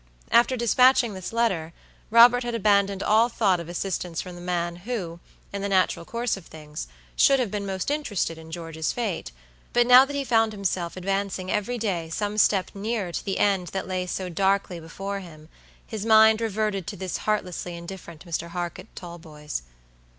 After dispatching this letter, Robert had abandoned all thought of assistance from the man who, in the natural course of things, should have been most interested in George's fate; but now that he found himself advancing every day some step nearer to the end that lay so darkly before him, his mind reverted to this heartlessly indifferent Mr. Harcourt Talboys.